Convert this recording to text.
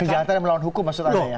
kejahatan melawan hukum maksudnya